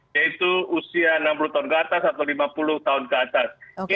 yaitu usia enam puluh tahun ke atas atau lima puluh tahun ke atas